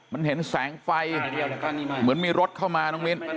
มันเห็นแสงไฟเหมือนมีรถเข้ามาน้องมิ้น